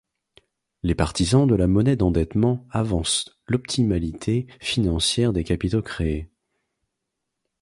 Les partisans de la monnaie d'endettement avancent l'optimalité financière des capitaux créés.